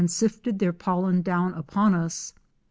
221 sifted their pollen down upon us.